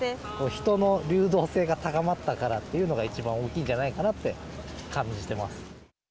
人の流動性が高まったからっていうのが、一番大きいんじゃないかなって感じてます。